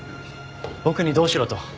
僕にどうしろと？